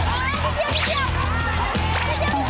อีกแล้ว